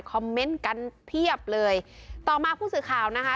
เมนต์กันเพียบเลยต่อมาผู้สื่อข่าวนะคะ